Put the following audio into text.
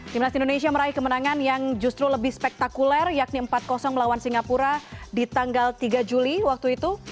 timnas indonesia meraih kemenangan yang justru lebih spektakuler yakni empat melawan singapura di tanggal tiga juli waktu itu